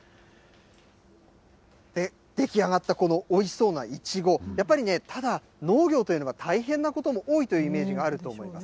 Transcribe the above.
出来上がったこのおいしそうなイチゴ、やっぱりね、ただ、農業というのは大変なことも多いというイメージがあると思います。